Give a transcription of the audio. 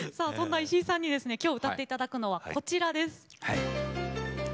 石井さんに歌っていただくのはこちらです。